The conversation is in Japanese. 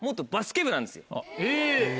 え！